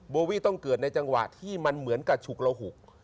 โบวี่ต้องเกิดในจังหวะที่มันเหมือนกับฉุกระหุก